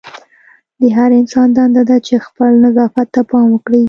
د هر انسان دنده ده چې خپل نظافت ته پام وکړي.